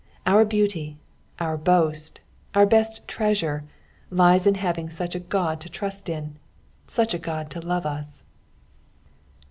Our beauty, our boost, our best treasure, Uus in having such a Qod to trust in, such a God to love us.